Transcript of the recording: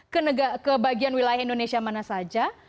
ke bagian wilayah indonesia mana saja